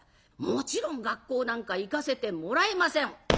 もちろん学校なんか行かせてもらえません。